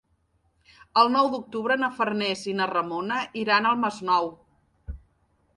El nou d'octubre na Farners i na Ramona iran al Masnou.